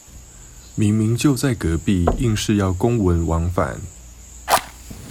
明明就在隔壁，硬是要公文往返